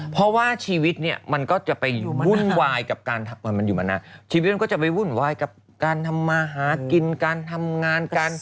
เพราะว่าชีวิตมันก็จะไปวุ่นวายกับการทำมาหากินการทำงาน